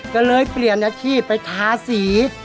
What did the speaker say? ก็เลยเปลี่ยนอาชีพไปทาสี